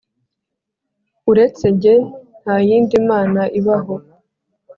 uretse jye, nta yindi mana ibaho.